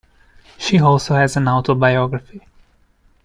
She also has an autobiography.